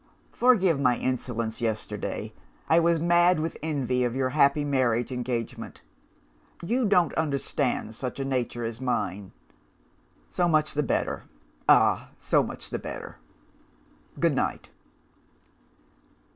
Forgive my insolence yesterday; I was mad with envy of your happy marriage engagement. You don't understand such a nature as mine. So much the better! ah, so much the better! Good night!